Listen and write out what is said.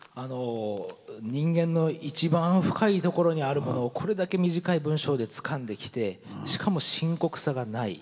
人間の一番深いところにあるものをこれだけ短い文章でつかんできてしかも深刻さがない。